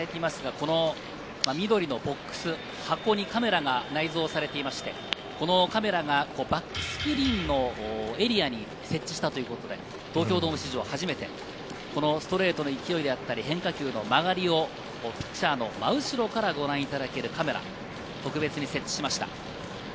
緑のボックスにカメラが内蔵されていって、このカメラがバックスクリーンのエリアに設置したということで東京ドーム史上初めてストレートの勢い、変化球の曲がりをピッチャー真後ろからご覧いただけるカメラを特別に設置しました。